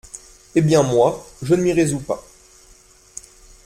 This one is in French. Eh bien moi, je ne m’y résous pas.